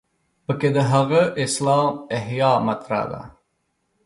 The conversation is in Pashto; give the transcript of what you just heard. په کې د هغه اسلام احیا مطرح ده.